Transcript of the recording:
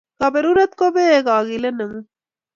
Kaberuret ko peei kogilet ne ngun